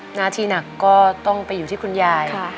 หน้าที่หนักก็ต้องไปอยู่ที่คุณยาย